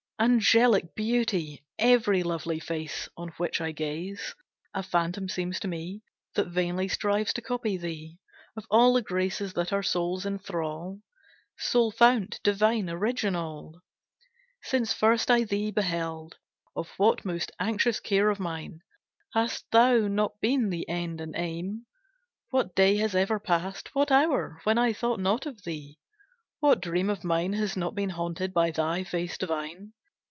Angelic beauty! Every lovely face, On which I gaze, A phantom seems to me, That vainly strives to copy thee, Of all the graces that our souls inthral, Sole fount, divine original! Since first I thee beheld, Of what most anxious care of mine, Hast thou not been the end and aim? What day has ever passed, what hour, When I thought not of thee? What dream of mine Has not been haunted by thy face divine?